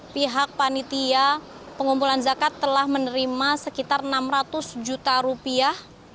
pihak panitia pengumpulan zakat telah menerima sekitar enam ratus juta rupiah